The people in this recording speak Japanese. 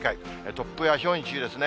突風やひょうに注意ですね。